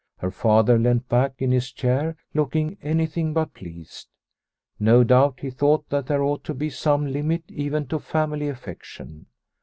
Her Father leant back in his chair looking any thing but pleased ; no doubt he thought that there ought to be some limit even to family affection.